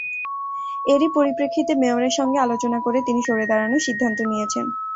এরই পরিপ্রেক্ষিতে মেয়রের সঙ্গে আলোচনা করে তিনি সরে দাঁড়ানোর সিদ্ধান্ত নিয়েছেন।